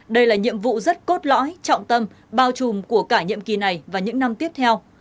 đây là nhiệm vụ rất cốt lõi trọng tâm bao trùm của cả nhiệm kỳ này và những năm tiếp theo